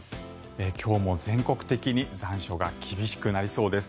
今日も全国的に残暑が厳しくなりそうです。